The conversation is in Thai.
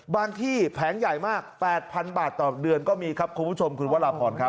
ที่แผงใหญ่มาก๘๐๐๐บาทต่อเดือนก็มีครับคุณผู้ชมคุณวราพรครับ